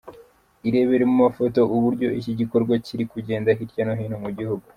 irebere mu mafoto uburyo iki gikorwa kiri kugenda hirya no hino mu gihugu.